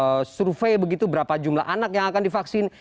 ada survei begitu berapa jumlah anak yang akan divaksin